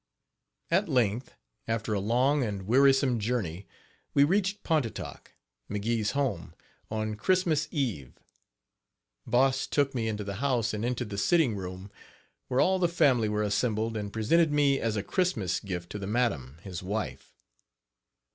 At length, after a long and wearisome journey, we reached Pontotoc, McGee's home, on Christmas eve. Boss took me into the house and into the sitting room, where all the family were assembled, and presented me as a Christmas gift to the madam, his wife.